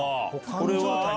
これは？